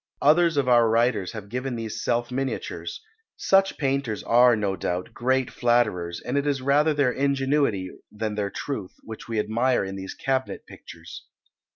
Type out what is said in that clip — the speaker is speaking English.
Others of our writers have given these self miniatures. Such painters are, no doubt, great flatterers, and it is rather their ingenuity, than their truth, which we admire in these cabinet pictures.